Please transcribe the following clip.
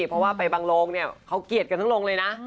เพราะว่าไปบางโรงเนี่ยเขาเกลียดกันทั้งโรงเลยนะ